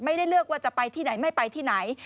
เลือกว่าจะไปที่ไหนไม่ไปที่ไหน